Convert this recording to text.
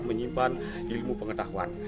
menyimpan ilmu pengetahuan